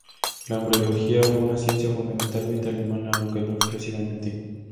La embriología fue una ciencia fundamentalmente alemana, aunque no exclusivamente.